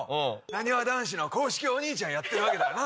なにわ男子の公式お兄ちゃんやってるわけだよな。